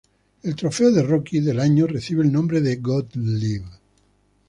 El trofeo de Rookie del Año recibe el nombre de Gottlieb.